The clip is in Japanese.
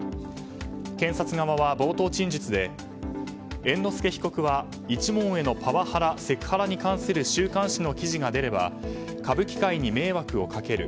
検察側は、冒頭陳述で猿之助被告は一門へのパワハラ・セクハラに関する週刊誌の記事が出れば歌舞伎界に迷惑をかける。